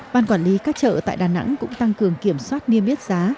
ban quản lý các chợ tại đà nẵng cũng tăng cường kiểm soát niêm yết giá